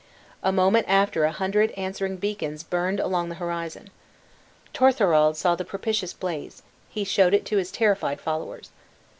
A moment after a hundred answering beacons burned along the horizon. Torthorald saw the propitious blaze; he showed it to his terrified followers.